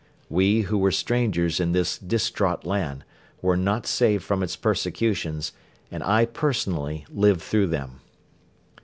We who were strangers in this distraught land were not saved from its persecutions and I personally lived through them.